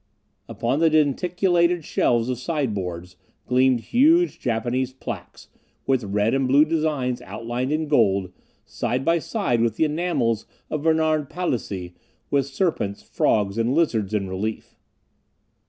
Upon the denticulated shelves of sideboards, gleamed huge Japanese plaques, with red and blue designs outlined in gold, side by side with the enamels of Bernard Palissy, with serpents, frogs, and lizards in relief.